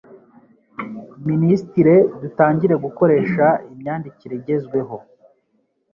minisitire dutangire gukoresha imyandikire igezweho